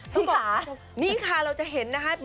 ที่สามนี่ค่ะเราจะเห็นนะครับ